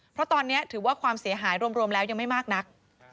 เพราะตอนนี้ถือว่าความเสียหายรวมแล้วยังไม่มากนัก